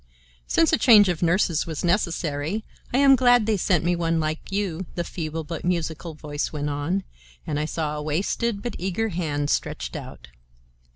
"Since a change of nurses was necessary, I am glad they sent me one like you," the feeble, but musical voice went on, and I saw a wasted but eager hand stretched out.